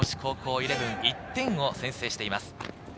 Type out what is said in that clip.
イレブン、１点を先制しています。